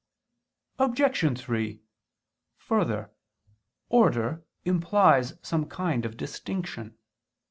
Obj. 3: Further, order implies some kind of distinction.